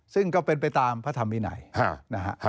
ซึ่งก็เป็นไปตามพระธรรมไ้ฮะนะฮะฮะ